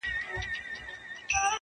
کلونه کیږي په خوبونو کي راتللې اشنا!